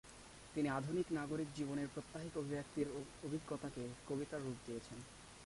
তিনি আধুনিক নাগরিক জীবনের প্রাত্যহিক অভিব্যক্তির অভিজ্ঞতাকে কবিতায় রূপ দিয়েছেন।